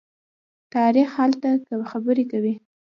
تاریخ هلته خبرې کوي.